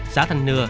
xã thanh nưa